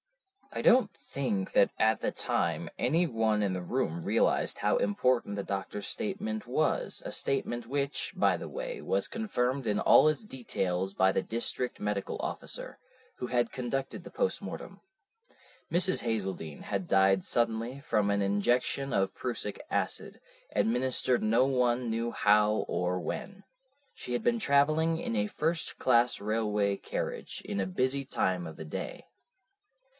"I don't think that at the time any one in the room realized how important the doctor's statement was, a statement which, by the way, was confirmed in all its details by the district medical officer, who had conducted the postmortem. Mrs. Hazeldene had died suddenly from an injection of prussic acid, administered no one knew how or when. She had been travelling in a first class railway carriage in a busy time of the day.